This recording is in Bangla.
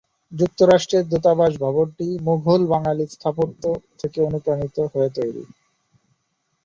যুক্তরাষ্ট্রের দূতাবাস ভবনটি মুঘল বাঙ্গালী স্থাপত্য থেকে অনুপ্রাণিত হয়ে তৈরি।